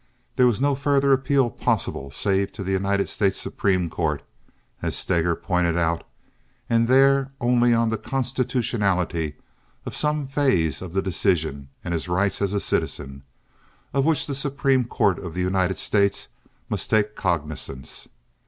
There was no further appeal possible save to the United States Supreme Court, as Steger pointed out, and there only on the constitutionality of some phase of the decision and his rights as a citizen, of which the Supreme Court of the United States must take cognizance.